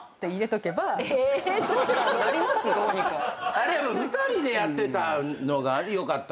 あれ２人でやってたのがよかった。